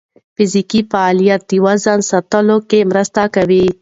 فزیکي فعالیت د وزن ساتلو کې مرسته کوي.